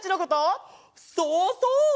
そうそう！